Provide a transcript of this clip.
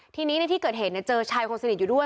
ทีนี้ในที่เกิดเหตุเจอชายคนสนิทอยู่ด้วย